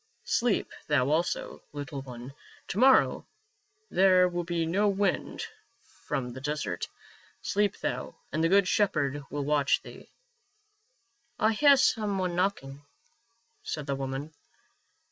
Sleep thou also, little one ; to morrow there will be no wind from the desert. Sleep thou, and the good Shepherd will watch thee." " I hear some one knocking," said the woman.